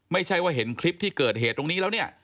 ไม่ใช่ว่าเห็นคลิปที่เกิดเหตุตรงนี้แล้วเนี่ย